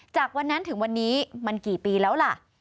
จากวันนั้นถึงวันนี้มันกี่ปีแล้วล่ะ